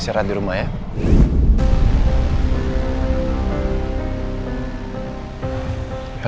usir aja di rumah ya